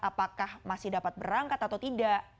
apakah masih dapat berangkat atau tidak